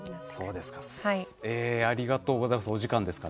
ありがとうございます。